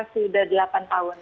sudah delapan tahun